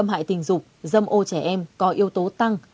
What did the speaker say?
xâm hại tình dục dâm ô trẻ em có yếu tố tăng